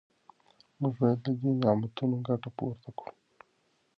موږ باید له دې نعمتونو ګټه پورته کړو.